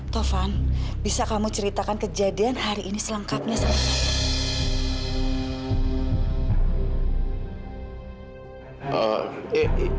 tovan bisa kamu ceritakan kejadian hari ini selengkapnya sama saya